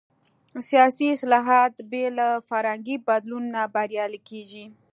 سیاسي اصلاحات بې له فرهنګي بدلون نه بریالي کېږي.